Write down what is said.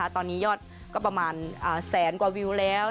ตอนนี้ยอดก็ประมาณแสนกว่าวิวแล้ว